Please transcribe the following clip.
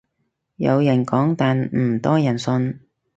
有人講但唔多人信